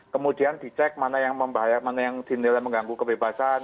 kemudian dicek mana yang membahayakan mana yang dinilai mengganggu kebebasan